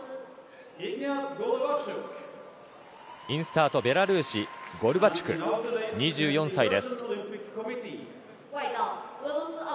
インスタート、ベラルーシゴロバチュク、２３歳。